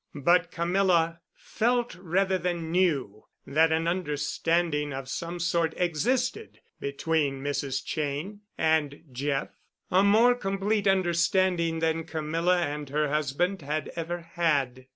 But Camilla felt rather than knew that an understanding of some sort existed between Mrs. Cheyne and Jeff—a more complete understanding than Camilla and her husband had ever had.